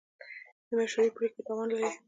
بې مشورې پرېکړه تاوان لري.